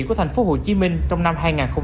của tp hcm trong năm hai nghìn hai mươi